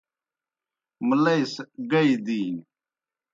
مُلئی سہ گئی دِینیْ۔